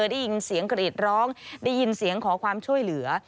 ได้ยินเสียงกรีดร้องได้ยินเสียงขอความช่วยเหลือ